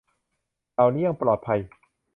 เหล่านี้ยังปลอดภัย